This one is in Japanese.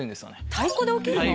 太鼓で起きるの？